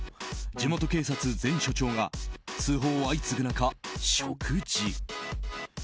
地元警察前署長が通報相次ぐ中、食事。